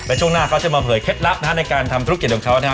แล้วช่วงหน้าเขาจะมาเผยเคล็ดลับนะฮะในการทำธุรกิจของเขานะฮะ